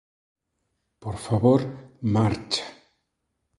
Por favor, marcha.